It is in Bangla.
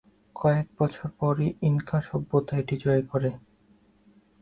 কয়েক বছর পরই ইনকা সভ্যতা এটি জয় করে।